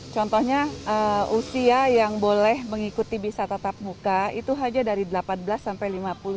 contohnya usia yang boleh mengikuti bisa tatap muka itu saja dari delapan belas sampai lima puluh